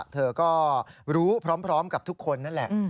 เธอก็รู้พร้อมกับทุกคนนั่นแหละ